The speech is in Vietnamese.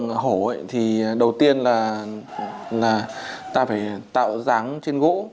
thì đầu tiên là ta phải tạo dáng trên gũ